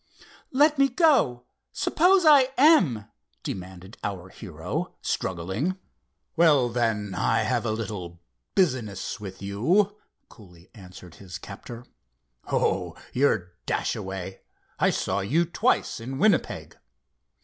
"Let me go. Suppose I am?" demanded our hero, struggling. "Well, then I have a little business with you," coolly answered his captor. "Oh, you're Dashaway. I saw you twice in Winnipeg.